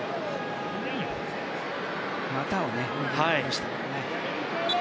股を抜きに来ましたからね。